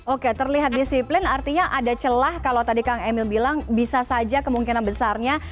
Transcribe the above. oke terlihat disiplin artinya ada celah kalau tadi kang emil bilang bisa saja kemungkinan besarnya